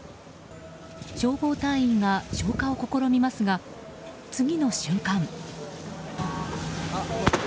消防隊員が消火を試みますが次の瞬間。